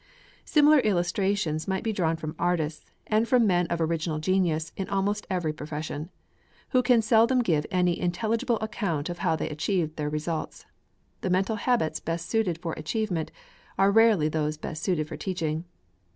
Similar illustrations might be drawn from artists, and from men of original genius in almost every profession, who can seldom give any intelligible account of how they achieve their results. The mental habits best suited for achievement are rarely those best suited for teaching.